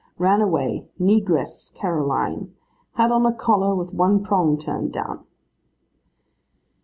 'Ran away, Negress Caroline. Had on a collar with one prong turned down.